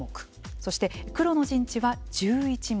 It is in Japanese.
そして、黒の陣地は１１目。